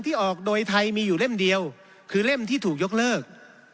ออกโดยไทยมีอยู่เล่มเดียวคือเล่มที่ถูกยกเลิก